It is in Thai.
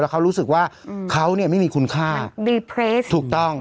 แล้วเขารู้สึกว่าเขาเนี้ยไม่มีคุณค่าถูกต้อง